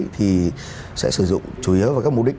thì sẽ sử dụng chủ yếu vào các mục đích